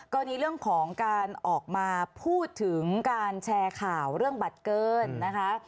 กรณีเรื่องของการออกมาพูดถึงการแชร์ข่าวเรื่องบัตรเกินนะคะ